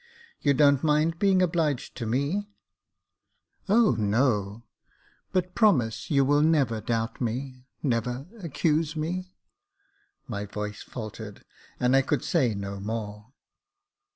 You don't mind being obliged to me ?"" O no ; but promise you will never doubt me — never accuse me." My voice faltered, and I could say no more.